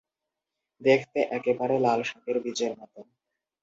দেখতে একেবারে লাল শাকের বীজের মত।